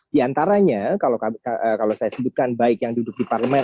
di antaranya kalau saya sebutkan baik yang duduk di parlemen